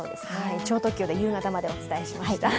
超特急で夕方までお伝えしました。